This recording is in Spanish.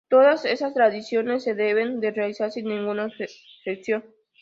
Todas estas tradiciones se deben de realizar sin ninguna objeción.